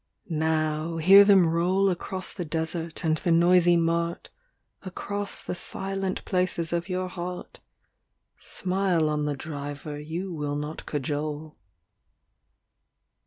Now, hear them roll Across the desert and the noisy mart, Across the silent places of your heart Smile on the driver you will not cajole.